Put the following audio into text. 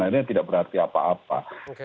akhirnya tidak berarti apa apa